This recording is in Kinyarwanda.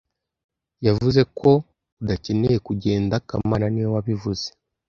Yavuze ko udakeneye kugenda kamana niwe wabivuze